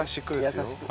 優しく。